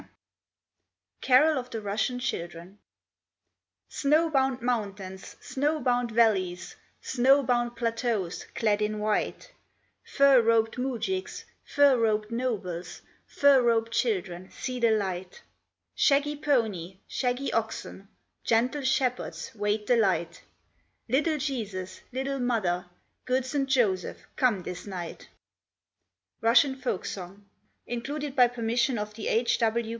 _ CAROL OF THE RUSSIAN CHILDREN Snow bound mountains, snow bound valleys, Snow bound plateaus, clad in white, Fur robed moujiks, fur robed nobles, Fur robed children, see the light. Shaggy pony, shaggy oxen, Gentle shepherds wait the light; Little Jesus, little Mother, Good St. Joseph, come this night. Russian Folk Song _Included by permission of The H. W.